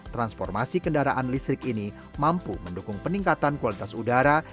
transformasi kendaraan listrik ini mampu mendukung peningkatan kualitas udara